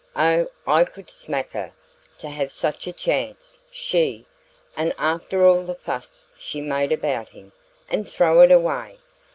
Oh, I could smack her! To have such a chance SHE! and after all the fuss she made about him and throw it away!